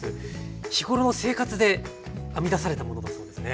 日頃の生活で編み出されたものだそうですね。